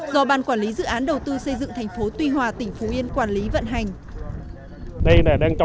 do ban quản lý dự án đầu tư xây dựng thành phố tuy hòa tỉnh phú yên quản lý vận hành